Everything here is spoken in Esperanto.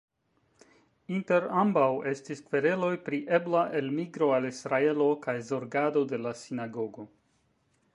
Inter ambaŭ estis kvereloj pri ebla elmigro al Israelo kaj zorgado de la sinagogo.